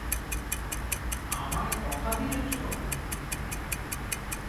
আমায় কথা দিয়েছো?